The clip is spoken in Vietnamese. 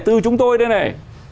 từ chúng tôi đây này